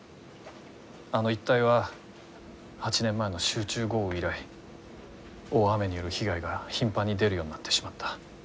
あの一帯は８年前の集中豪雨以来大雨による被害が頻繁に出るようになってしまった。